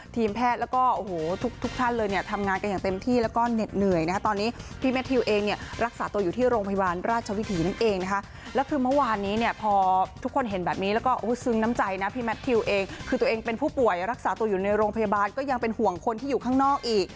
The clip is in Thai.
ทีมแพทย์และทุกท่านทำงานกันอย่างเต็มที่